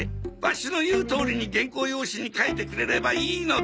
ワシの言うとおりに原稿用紙に書いてくれればいいのだ！